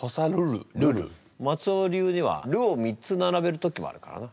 松尾流では「る」を３つ並べる時もあるからな。